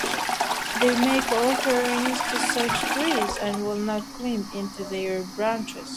They make offerings to such trees and will not climb into their branches.